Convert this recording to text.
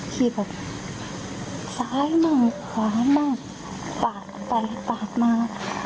ขี่แบบซ้ายมาขวามาปากไปปากมา